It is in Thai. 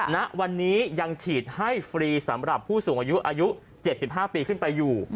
ณวันนี้ยังฉีดให้ฟรีสำหรับผู้สูงอายุอายุ๗๕ปีขึ้นไปอยู่